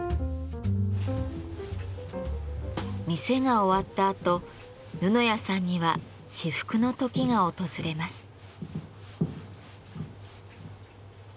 店が終わったあと布谷さんには至福の時が訪れます。